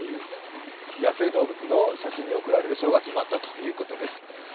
野生動物に贈られる賞が決まったということです。